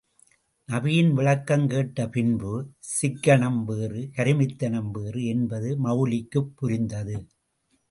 நபியின் விளக்கம் கேட்ட பின்பு—சிக்கனம் வேறு, கருமித்தனம் வேறு—என்பது மவுல்விக்குப் புரிந்தது.